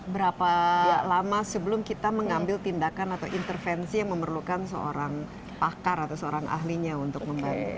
berapa lama sebelum kita mengambil tindakan atau intervensi yang memerlukan seorang pakar atau seorang ahlinya untuk membantu